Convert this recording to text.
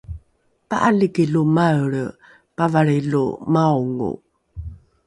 pa’aliki lo maelre pavalrilo maongo